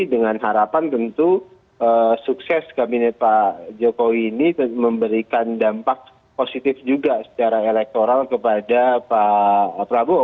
dengan harapan tentu sukses kabinet pak jokowi ini memberikan dampak positif juga secara elektoral kepada pak prabowo